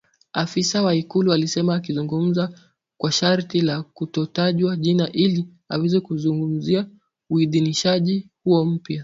afisa wa Ikulu alisema akizungumza kwa sharti la kutotajwa jina ili aweze kuzungumzia uidhinishaji huo mpya